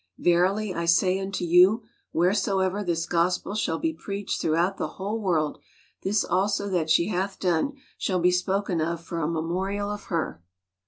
Verily, I say unto you, Wheresoever this gospel shall be preached throughout the whole world, this also that she hath done shall be spoken of for a memorial of her.